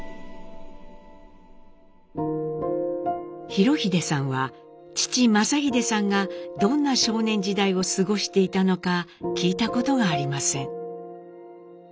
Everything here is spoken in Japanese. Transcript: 裕英さんは父正英さんがどんな少年時代を過ごしていたのか聞いたことがありません。